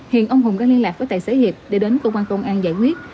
hiện ông hùng đang liên lạc với tài xế hiệp để đến công an công an giải quyết